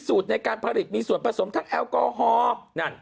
สูตรในการผลิตมีส่วนผสมอัลกอฮอล์